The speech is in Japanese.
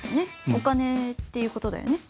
お金っていう事だよね。